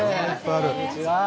こんにちは。